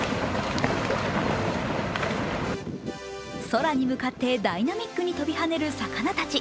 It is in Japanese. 空に向かってダイナミックに飛び跳ねる魚たち。